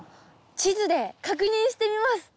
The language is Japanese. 地図で確認してみます！